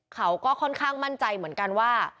เขาก็ค่อนข้างมั่นใจเหมือนกันว่า